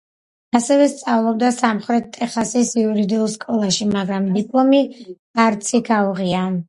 ასევე სწავლობდა სამხრეთ ტეხასის იურიდიულ სკოლაში, მაგრამ დიპლომი არც იქ აუღია.